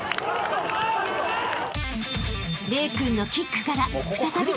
［玲君のキックから再び得点］